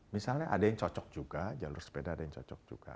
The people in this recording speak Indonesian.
misalnya ada yang cocok juga jalur sepeda ada yang cocok juga